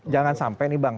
jangan sampai nih bang